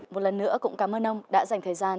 một lần nữa cũng cảm ơn ông đã dành thời gian